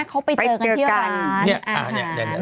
เขาไปเจอกันที่ร้านอาหาร